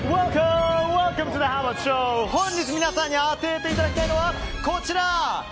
本日皆さんに当てていただきたいのはこちら！